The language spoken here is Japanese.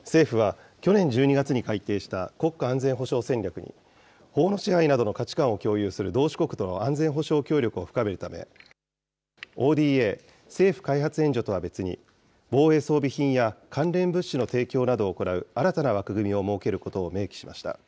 政府は去年１２月に改定した、国家安全保障戦略に法の支配などの価値観を共有する同志国との安全保障協力を深めるため、ＯＤＡ・政府開発援助とは別に、防衛装備品や関連物資などの提供を行う新たな枠組みを設けることを明記しました。